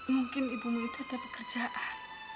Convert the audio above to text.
mungkin ibumu itu ada pekerjaan